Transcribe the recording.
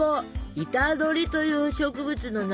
イタドリという植物の仲間！